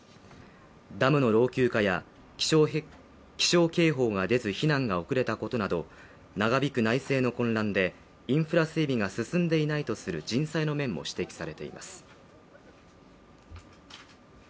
ダムの老朽化や気象警報が出ず、避難が遅れたことなど長引く内政の混乱でインフラ整備が進んでいないとする人災の面も指摘されています。